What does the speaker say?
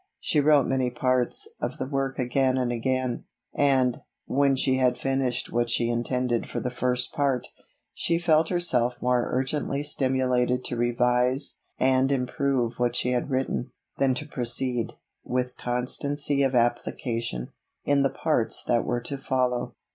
She wrote many parts of the work again and again, and, when she had finished what she intended for the first part, she felt herself more urgently stimulated to revise and improve what she had written, than to proceed, with constancy of application, in the parts that were to follow.